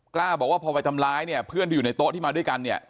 กล้าบอกว่าพอไปทำร้ายเนี่ยเพื่อนที่อยู่ในโต๊ะที่มาด้วยกันเนี่ย